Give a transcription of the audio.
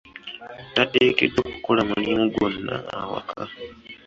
Tateekeddwa kukola mulimu gwanno awaka.